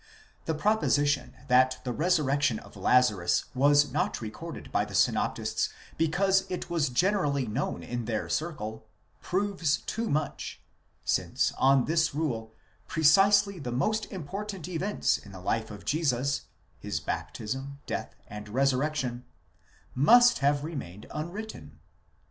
The proposition, that the resurrection of Lazarus was not recorded by the synoptists because it was generally known in their circle, proves too much; since on this rule, precisely the most important events in the life of Jesus, his baptism, death, and resurrection, must have remained unwritten.